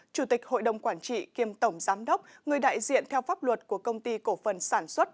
chủ tịch hội đồng quản trị kiêm tổng giám đốc người đại diện theo pháp luật của công ty cổ phần sản xuất